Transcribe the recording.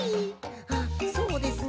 あそうですね。